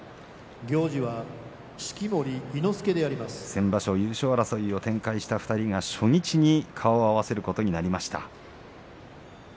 先場所、優勝争いを展開した２人が初日に顔を合わせることになりました。